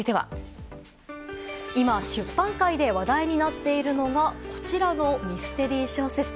今、出版界で話題になっているのがこちらのミステリー小説。